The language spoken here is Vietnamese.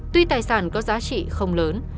tuy tài sản có giá trị không lớn